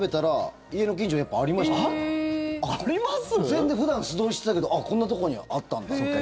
全然普段、素通りしてたけどあっ、こんなとこにあったんだって。